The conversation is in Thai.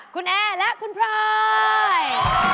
คุณแอร์และคุณพลอย